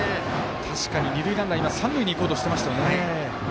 確かに、二塁ランナーが三塁にいこうとしていましたね。